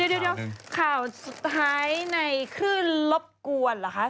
เดี๋ยวข่าวสุดท้ายในคลื่นรบกวนเหรอคะ